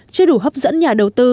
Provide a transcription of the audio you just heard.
chưa đủ hấp dẫn nhà đầu tư